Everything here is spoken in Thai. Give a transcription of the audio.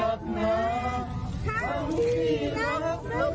ก็ตอบได้คำเดียวนะครับ